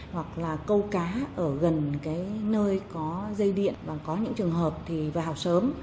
hoặc là câu cá ở gần cái nơi có dây điện và có những trường hợp thì vào học sớm